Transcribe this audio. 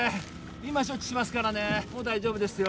今処置しますからねもう大丈夫ですよ